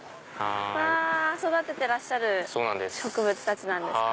育ててらっしゃる植物ですか？